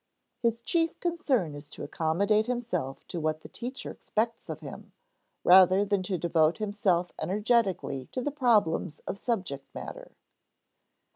His chief concern is to accommodate himself to what the teacher expects of him, rather than to devote himself energetically to the problems of subject matter.